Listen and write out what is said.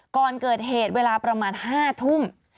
ก่อนเกิดเหตุเวลาประมาณ๕ทุ่ม